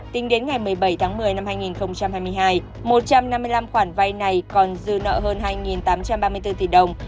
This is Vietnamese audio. tính đến ngày một mươi bảy tháng một mươi năm hai nghìn hai mươi hai một trăm năm mươi năm khoản vay này còn dư nợ hơn hai tám trăm ba mươi bốn tỷ đồng